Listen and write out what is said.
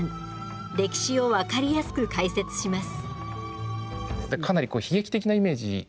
歴史を分かりやすく解説します。